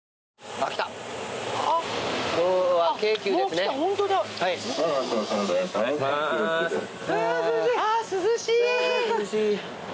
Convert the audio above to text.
あ涼しい。